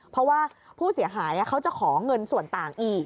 เพราะว่าผู้เสียหายเขาจะขอเงินส่วนต่างอีก